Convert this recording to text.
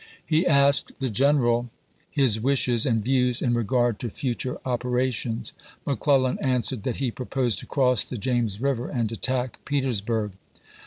He asked the general his wishes and views in re gard to future operations. McClellan answered that he proposed to cross the James River and attack Petersburg.